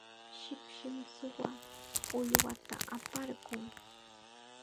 shipshim suwa uywata aparqun.